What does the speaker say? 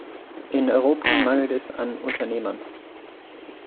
In Europa mangelt es an Unternehmern.